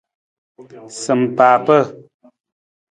Sampaapa.